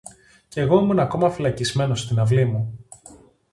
Κι εγώ ήμουν ακόμα φυλακισμένος στην αυλή μου